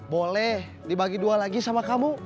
boleh dibagi dua lagi sama kamu